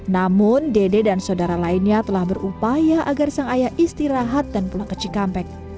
namun dede dan saudara lainnya telah berupaya agar sang ayah istirahat dan pulang ke cikampek